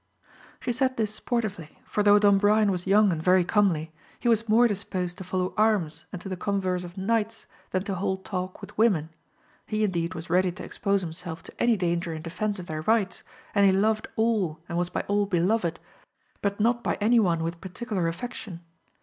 She said this sportively, for though Don Brian was young and very comely, he was more 7—2 100 AMADIS OF GAUL. disposed to follow arms and to the converse of knights than to hold talk with women ; he indeed was ready to expose himself to any danger in defence of their rights, and he loved all and was by all beloved, but not by any one with particular affection.